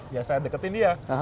ya saya deketin dia